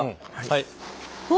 はい。